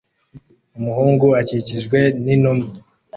Umuhungu akikijwe n'inuma